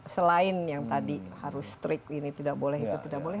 selain yang tadi harus strict ini tidak boleh itu tidak boleh